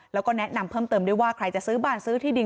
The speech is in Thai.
แล้วก็แนะนำเพิ่มเติมด้วยว่าใครจะซื้อบ้านซื้อที่ดิน